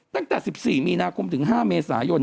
ตั้งแต่๑๔มีนาคมถึง๕เมษายน